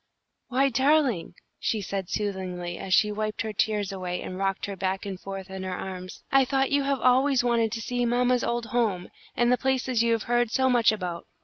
"Why, darling," she said, soothingly, as she wiped her tears away and rocked her back and forth in her arms, "I thought you have always wanted to see mamma's old home, and the places you have heard so much about.